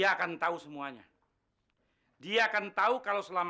aku bilang keluar